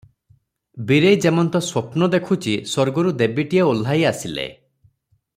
ବୀରେଇ ଯେମନ୍ତ ସ୍ୱପ୍ନ ଦେଖୁଛି ସ୍ୱର୍ଗରୁ ଦେବୀଟିଏ ଓହ୍ଲାଇ ଆସିଲେ ।